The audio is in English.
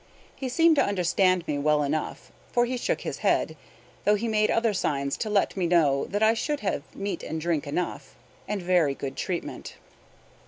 He seemed to understand me well enough, for he shook his head, though he made other signs to let me know that I should have meat and drink enough, and very good treatment.